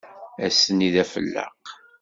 Ass-nni d afelleq.